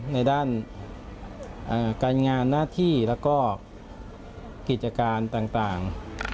ในด้านการงานหน้าที่แล้วก็กิจการต่าง